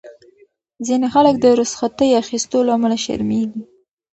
ځینې خلک د رخصتۍ اخیستو له امله شرمېږي.